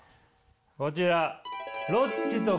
こちら。